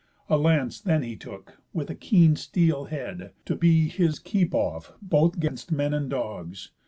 A lance then took he, with a keen steel head, To be his keep off both 'gainst men and dogs.